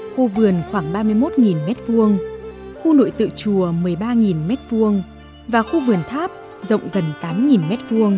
khu vườn khoảng ba mươi một m hai khu nội tự chùa một mươi ba m hai và khu vườn tháp rộng gần tám m hai